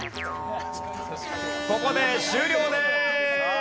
ここで終了でーす。